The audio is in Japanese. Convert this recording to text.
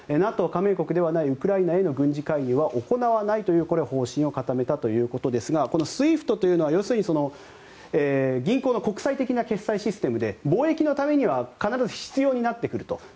ＮＡＴＯ加盟国ではないウクライナへの軍事介入は行わないという方針を固めたということですがこのＳＷＩＦＴというのは要するに銀行の国際的な決済システムで貿易のためには必ず必要になってくると。